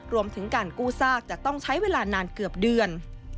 รวมถึงการกู้ซากจะต้องใช้เวลานานเกือบเดือน